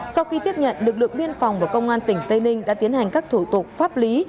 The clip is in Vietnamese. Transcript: sau khi tiếp nhận lực lượng biên phòng và công an tỉnh tây ninh đã tiến hành các thủ tục pháp lý